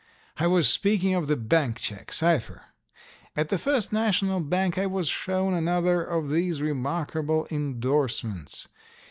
I was speaking of the bank check cipher. At the First National Bank I was shown another of these remarkable indorsements.